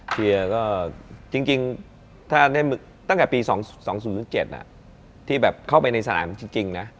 เชียร์ก็จริงตั้งแต่ปี๒๐๐๗ที่เข้าไปในสถานที่จริงนะ